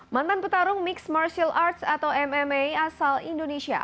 mantan petarung mixed martial arts atau mma asal indonesia